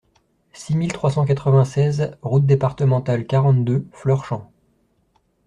six mille trois cent quatre-vingt-seize route Départementale quarante-deux Fleurchamp